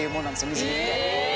水着って。